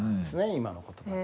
今の言葉で。